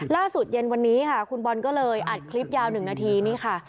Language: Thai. เย็นวันนี้ค่ะคุณบอลก็เลยอัดคลิปยาว๑นาทีนี่ค่ะ